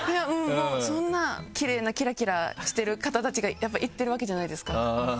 そんなきれいなキラキラしてる方たちがやっぱ行ってるわけじゃないですか。